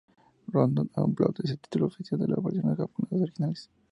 Rondo of Blood es el título oficial en las versiones japonesas originales.